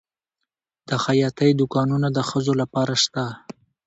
د خیاطۍ دوکانونه د ښځو لپاره شته؟